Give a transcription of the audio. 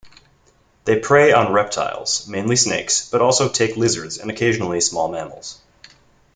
They prey on reptiles, mainly snakes, but also take lizards and occasionally small mammals.